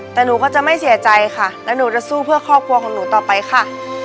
แต่หนูก็จะไม่เสียใจค่ะแล้วหนูจะสู้เพื่อครอบครัวของหนูต่อไปค่ะ